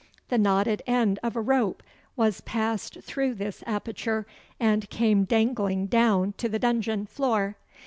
The knotted end of a rope was passed through this aperture, and came dangling down to the dungeon floor.